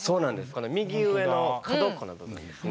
この右上の角っこの部分ですね。